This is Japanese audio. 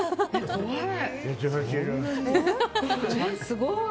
すごい。